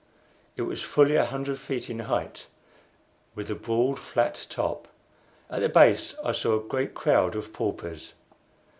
It was fully a hundred feet in height, with a broad flat top. At the base I saw a great crowd of paupers.